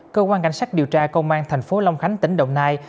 cơ quan cảnh sát điều tra công an tp long khánh tỉnh đồng nai